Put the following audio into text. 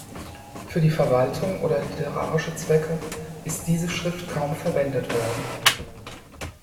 Für die Verwaltung oder literarische Zwecke ist diese Schrift kaum verwendet worden.